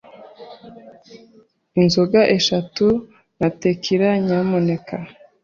Inzoga eshatu na tequila nyamuneka!